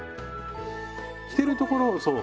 着てるところそう。